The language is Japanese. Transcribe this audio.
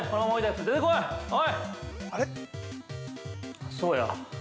あっ、そうや。